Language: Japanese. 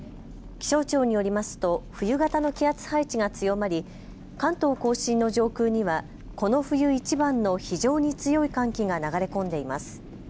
気象庁によりますと冬型の気圧配置が強まり関東甲信の上空にはこの冬いちばんの非常に強い寒気が流れ込んでいます。